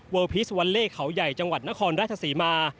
พีสวัลเล่เขาใหญ่จังหวัดนครราชศรีมา